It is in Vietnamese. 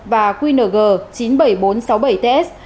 và qng chín mươi bảy nghìn bốn trăm sáu mươi bảy ts